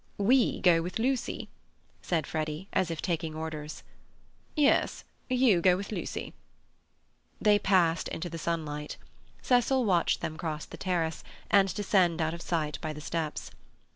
"We go with Lucy?" said Freddy, as if taking orders. "Yes, you go with Lucy." They passed into the sunlight. Cecil watched them cross the terrace, and descend out of sight by the steps.